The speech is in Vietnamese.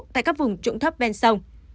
tại các vùng trụng thấp bên sông